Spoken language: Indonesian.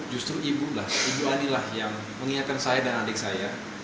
justru ibu lah ibu adilah yang mengingatkan saya dan adik saya